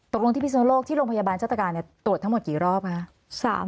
ตกลงที่พิศนโลกที่โรงพยาบาลเจ้าตการตรวจทั้งหมดกี่รอบคะ